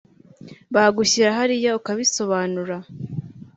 bagushyira hariya ukabisobanura